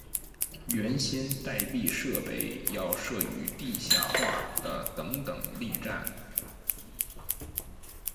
原先待避设备要设于地下化的等等力站。